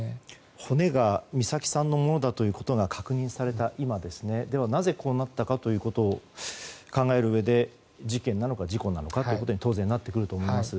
骨が美咲さんのものだということが確認された今なぜこうなったのかということを考えるうえで事件なのか事故なのかということになってくると思います。